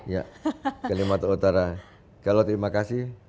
ya kalimantan utara kalau terima kasih